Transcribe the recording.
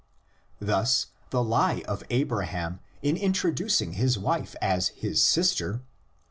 Thus, the lie of Abraham in introducing his wife as his sister (xii.